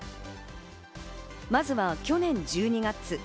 まずは去年１２月。